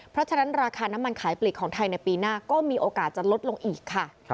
เพราะฉะนั้นราคาน้ำมันขายปลีกของไทยในปีหน้าก็มีโอกาสจะลดลงอีกค่ะ